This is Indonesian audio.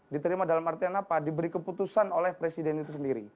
diterima dalam artian apa diberi keputusan oleh presiden itu sendiri